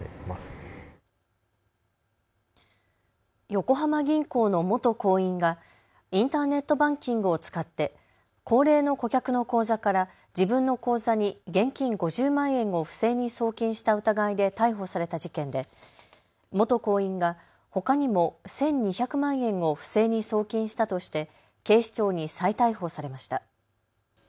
横浜銀行の元行員がインターネットバンキングを使って高齢の顧客の口座から自分の口座に現金５０万円を不正に送金した疑いで逮捕された事件で元行員がほかにも１２００万円を不正に送金したとして警視庁に再逮捕されました。